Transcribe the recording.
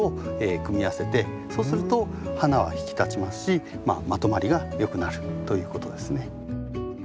そうすると花は引き立ちますしまとまりがよくなるということですね。